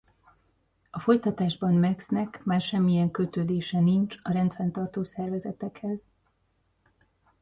A folytatásban Max-nek már semmilyen kötődése nincs a rendfenntartó szervezetekhez.